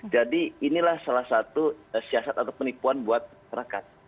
jadi inilah salah satu siasat atau penipuan buat masyarakat